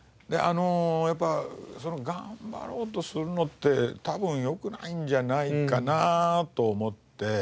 やっぱ頑張ろうとするのって多分よくないんじゃないかなと思って。